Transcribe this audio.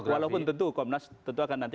walaupun tentu komnas tentu akan nanti